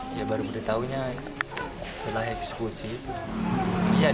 dia baru beritahunya setelah eksekusi itu